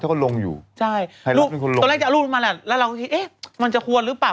เมืองมากจะควรหรือเปล่า